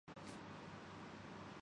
میں تھکا ہوا لیکن قدرے خوش ہوتا۔